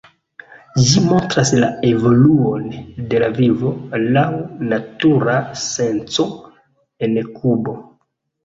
Ĝi montras la evoluon de la vivo, laŭ natura senco, en Kubo.